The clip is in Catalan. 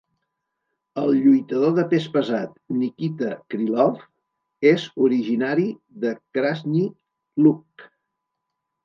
El lluitador de pes pesat Nikita Krylov és originari de Krasnyi Luch.